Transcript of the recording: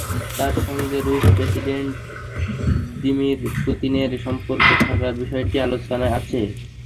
তাঁর সঙ্গে রুশ প্রেসিডেন্ট ভ্লাদিমির পুতিনের সুসম্পর্ক থাকার বিষয়টি আলোচনায় আছে।